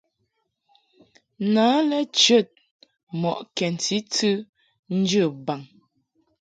Na lɛ chəd mɔʼ kɛnti tɨ njə baŋ.